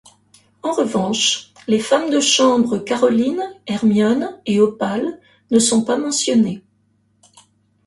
En revanche, les femmes de chambres Carolyn, Hermione et Opale ne sont pas mentionnées.